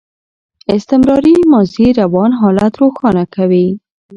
استمراري ماضي روان حالت روښانه کوي.